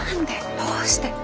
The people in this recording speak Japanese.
どうして？